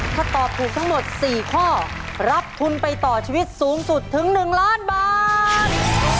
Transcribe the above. ถ้าตอบถูกทั้งหมด๔ข้อรับทุนไปต่อชีวิตสูงสุดถึง๑ล้านบาท